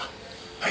はい。